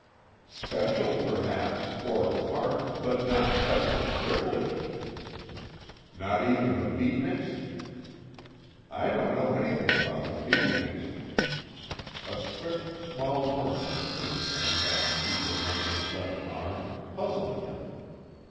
"Special perhaps, or apart, but not specially privileged." "Not even the beatniks?" "I don't know anything about the beatniks." A swift small worm of pain ran down Cecil Warner's left arm, puzzling him.